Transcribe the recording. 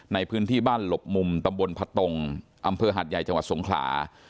ในพื้นที่บ้านหลบมุมตำบลพะตงอำเภอหาดใหญ่จังหวัดสงขลา